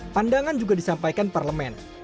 pandangan juga disampaikan parlemen